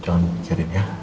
jangan mikirin ya